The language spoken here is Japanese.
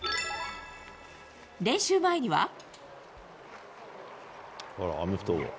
練習前には。